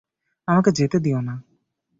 আমাকে যেতে দিও না।